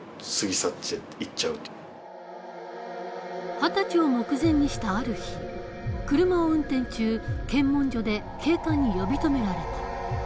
二十歳を目前にしたある日車を運転中検問所で警官に呼び止められた。